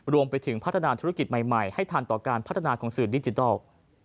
รวมไปถึงพัฒนาธุรกิจใหม่ให้ทันต่อการพัฒนาของสื่อดิจิทัล